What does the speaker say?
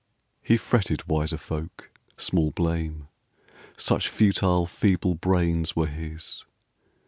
He fretted wiser folk small blame ! Such futile, feeble brains were his.